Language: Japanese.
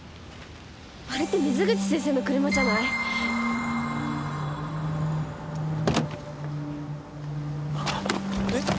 あれって水口先生の車じゃない？えっ？